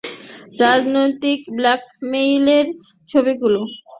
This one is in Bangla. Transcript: রাজনৈতিক ব্ল্যাকমেইলের ছবিগুলো?